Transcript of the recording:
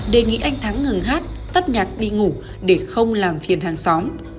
đề nghị anh thắng ngừng hát tắt nhạc đi ngủ để không làm phiền hàng xóm